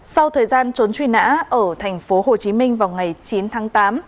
sau thời gian trốn truy nã ở thành phố hồ chí minh vào ngày chín tháng tám